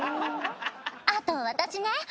あと私ね